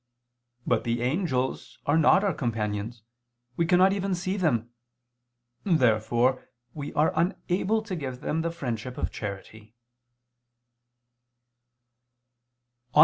But the angels are not our companions; we cannot even see them. Therefore we are unable to give them the friendship of charity.